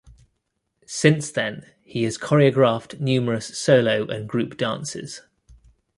Since then, he has choreographed numerous solo and group dances.